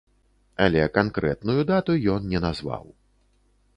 Але канкрэтную дату ён не назваў.